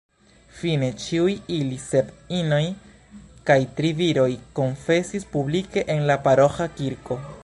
Fine, ĉiuj ili, sep inoj kaj tri viroj, konfesis publike en la paroĥa kirko.